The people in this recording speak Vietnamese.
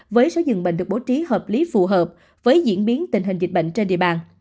với số dường bệnh được bố trí hợp lý phù hợp với diễn biến tình hình dịch bệnh trên địa bàn